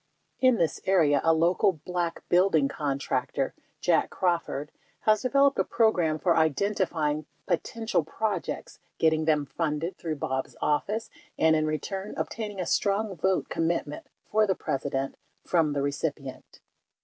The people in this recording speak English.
In this area, a local Black building contractor (Jack Crawford) has developed a program for identifying potential projects, getting them funded through Bob's office and, in return, obtaining a strong vote commitment for the Presi dent from the recipient.